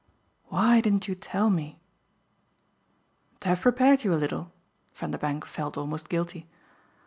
"Why didn't you tell me?" "To have prepared you a little?" Vanderbank felt almost guilty.